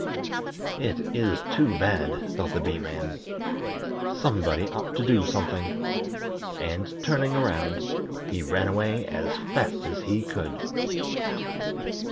"It is too bad!" thought the Bee man. "Somebody ought to do something." And turning around, he ran away as fast as he could.